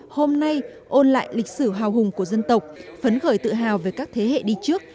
hôm nay ôn lại lịch sử hào hùng của dân tộc phấn khởi tự hào về các thế hệ đi trước